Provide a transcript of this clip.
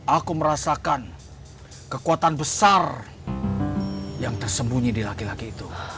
aku merasakan kekuatan besar yang tersembunyi di laki laki itu